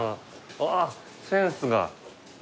あっセンスが。